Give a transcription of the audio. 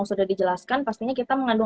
sudah dijelaskan pastinya kita mengandung